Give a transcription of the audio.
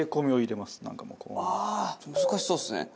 難しそうですね。